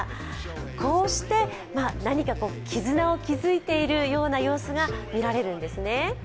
こうして何か絆を築いているような様子が見られるんですね。